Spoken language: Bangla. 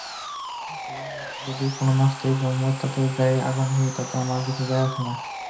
এতে যদি কোনো নাস্তিক-মুরতাদের গায়ে আগুন ধরে তাতে আমাদের কিছু যায়-আসে না।